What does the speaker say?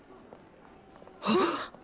はっ！